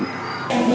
nhiều thủ tục